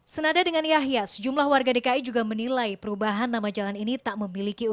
senada dengan yahya sejumlah warga dki juga menilai perubahan nama jalan ini tak memiliki uang